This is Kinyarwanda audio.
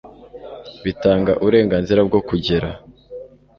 bitanga uburenganzira bwo kugera